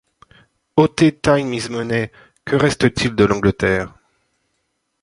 Ôtez time is money, que reste-t-il de l’Angleterre?